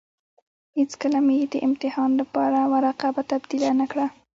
هېڅکله مې يې د امتحان لپاره ورقه تبديله نه کړه.